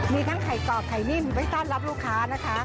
มีทั้งไข่กรอบไข่นิ่มไว้ต้อนรับลูกค้านะคะ